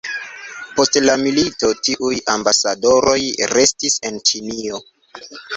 Post la milito, tiuj ambasadoroj restis en Ĉinio.